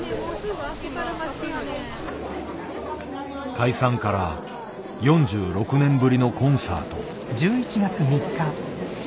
解散から４６年ぶりのコンサート。